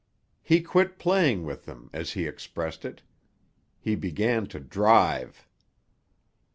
He quit playing with them, as he expressed it; he began to drive.